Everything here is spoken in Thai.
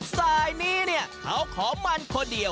สายนี้เนี่ยเขาขอมันคนเดียว